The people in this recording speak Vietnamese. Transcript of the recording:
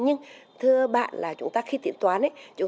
nhưng thưa bạn là chúng ta khi tiến toán